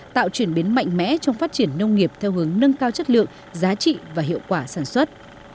tạo chuyển biến mạnh mẽ trong phát triển nông nghiệp theo hướng nâng cao chất lượng giá trị và hiệu quả sản xuất